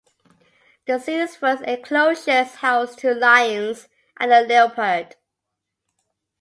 The zoo's first enclosures housed two lions and a leopard.